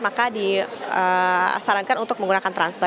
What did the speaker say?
maka disarankan untuk menggunakan transfer